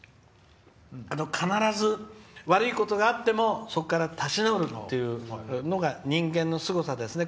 必ず、悪いことがあってもそこから立ち直るというのが人間のすごさですね。